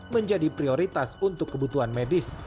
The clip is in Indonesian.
menjadi prioritas untuk kebutuhan medis